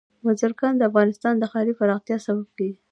بزګان د افغانستان د ښاري پراختیا سبب کېږي.